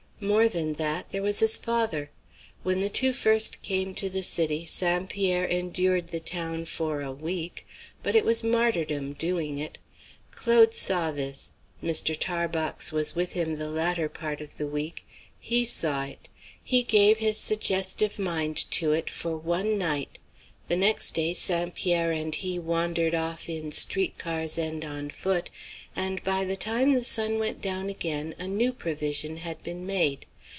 More than that, there was his father. When the two first came to the city St. Pierre endured the town for a week. But it was martyrdom, doing it. Claude saw this. Mr. Tarbox was with him the latter part of the week. He saw it. He gave his suggestive mind to it for one night. The next day St. Pierre and he wandered off in street cars and on foot, and by the time the sun went down again a new provision had been made.